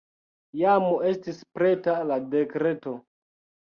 Jam estis preta la dekreto.